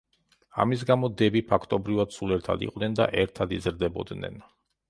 ამის გამო დები ფაქტობრივად სულ ერთად იყვნენ და ერთად იზრდებოდნენ.